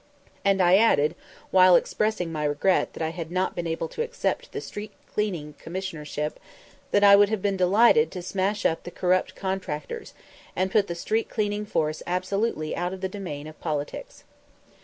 And I added, while expressing my regret that I had not been able to accept the street cleaning commissionership, that "I would have been delighted to smash up the corrupt contractors and put the street cleaning force absolutely out of the domain of politics."